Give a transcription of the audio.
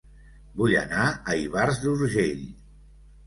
Vull anar a Ivars d'Urgell